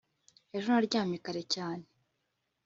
ejo naryamye kare cyane